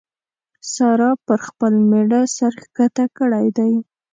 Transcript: سارا پر خپل مېړه سر کښته کړی دی.